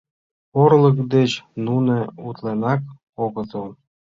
Орлык деч нуно утленак огытыл!